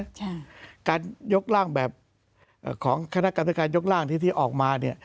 ใช่การยกร่างแบบเอ่อของคณะกรรมธิการยกร่างที่ที่ออกมาเนี่ย